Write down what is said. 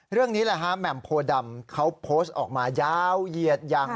เรื่องนี้แหม่มโพดำเขาโพสต์ออกมายาวเยียดยัง